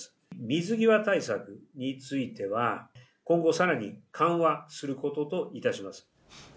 水際対策については、今後さらに緩和することといたします。